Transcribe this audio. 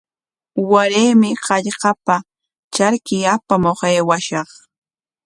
Waraymi hallqapa charki apamuq aywashaq.